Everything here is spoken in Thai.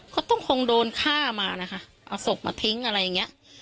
เขาต้องคงโดนฆ่ามานะคะเอาศพมาทิ้งอะไรอย่างเงี้ย